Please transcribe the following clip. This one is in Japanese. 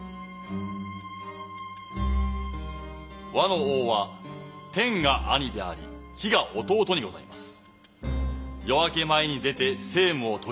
倭の王は天が兄であり日が弟にございます。